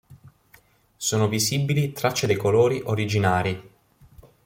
Sono visibili tracce dei colori originari.